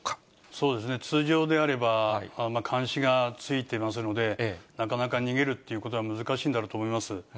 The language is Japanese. そうですね、通常であれば監視がついてますので、なかなか逃げるということは難しいんだろうと思います。